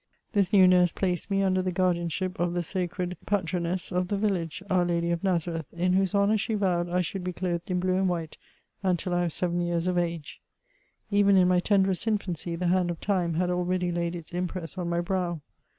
This new nurse placed me ui^der the guardianship of the sacred patroness of the village; our. Lady of Nazareth, in whose honour she vowed I should be clothed in blue and white until I was seven years of age. Even in my tenderest infancy, the hand of time had already laid its impress on my brow.